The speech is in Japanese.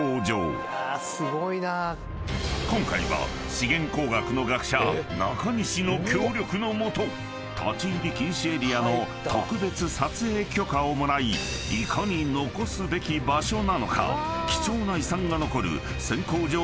［今回は資源工学の学者中西の協力の下立入禁止エリアの特別撮影許可をもらいいかに残すべき場所なのか］